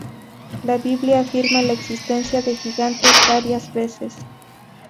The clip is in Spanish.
La Biblia afirma la existencia de gigantes varias veces.